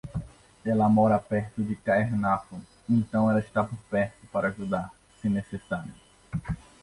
Ela mora perto de Caernarfon, então ela estará por perto para ajudar, se necessário.